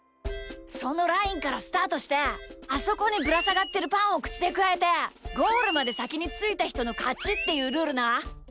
そのラインからスタートしてあそこにぶらさがってるパンをくちでくわえてゴールまでさきについたひとのかちっていうルールな！